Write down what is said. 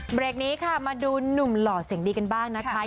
เบรกนี้ค่ะมาดูหนุ่มหล่อเสียงดีกันบ้างนะคะ